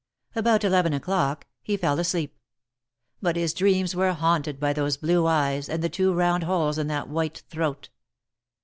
About eleven o'clock, he fell asleep ; but his dreams were haunted by those blue eyes, and the two round holes in that white throat.